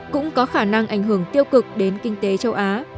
cũng có khả năng ảnh hưởng tiêu cực đến kinh tế châu á